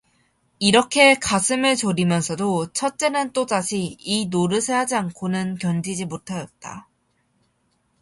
이렇게 가슴을 졸이면서도 첫째는 또다시 이 노릇을 하지 않고는 견디지 못하였다.